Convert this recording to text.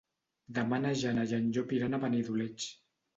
Demà na Jana i en Llop iran a Benidoleig.